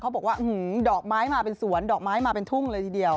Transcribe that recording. บอกว่าดอกไม้มาเป็นสวนดอกไม้มาเป็นทุ่งเลยทีเดียว